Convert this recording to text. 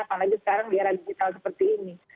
apalagi sekarang di era digital seperti ini